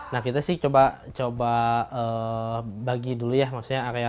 nah kita sih coba bagi dulu ya maksudnya area kerja sama area rumah tangga waktu kerja sama waktu rumah tangga gitu kan